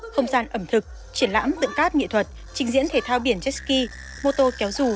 không gian ẩm thực triển lãm tượng cát nghị thuật trình diễn thể thao biển jet ski mô tô kéo rù